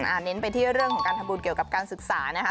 เน้นไปที่เรื่องของการทำบุญเกี่ยวกับการศึกษานะคะ